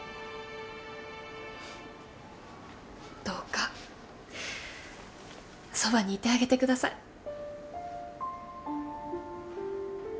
どうかそばにいてあげてください。